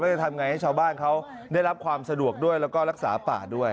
จะทำไงให้ชาวบ้านเขาได้รับความสะดวกด้วยแล้วก็รักษาป่าด้วย